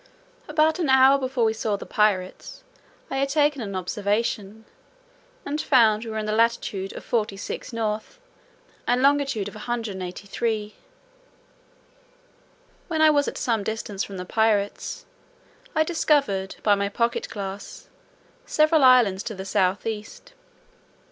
About an hour before we saw the pirates I had taken an observation, and found we were in the latitude of 46 N. and longitude of 183. When I was at some distance from the pirates, I discovered, by my pocket glass, several islands to the south east.